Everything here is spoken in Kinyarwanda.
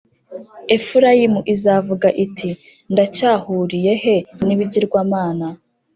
Efurayimu izavuga iti «Ndacyahuriye he n’ibigirwamana!»